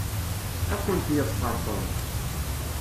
Ad kent-yeḍfer Tom.